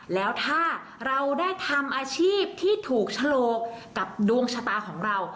แล้วถ้าเราได้ทำอาชีพที่ถูกฉลกกับดวงชะตาของเรา